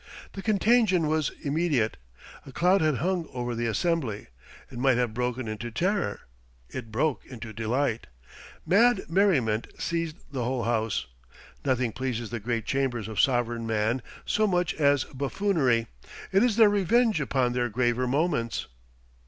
The contagion was immediate. A cloud had hung over the assembly. It might have broken into terror; it broke into delight. Mad merriment seized the whole House. Nothing pleases the great chambers of sovereign man so much as buffoonery. It is their revenge upon their graver moments.